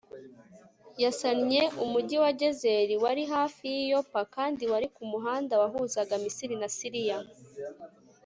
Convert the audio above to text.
yasannye umujyi wa gezeri, wari hafi y'i yopa kandi wari ku muhanda wahuzaga misiri na siriya